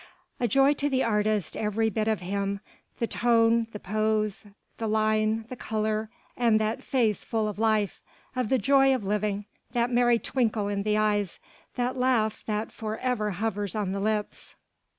A joy to the artist every bit of him, the tone, the pose, the line, the colour and that face full of life, of the joy of living, that merry twinkle in the eyes, that laugh that for ever hovers on the lips.